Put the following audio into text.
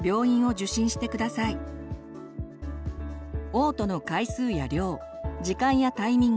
おう吐の回数や量時間やタイミング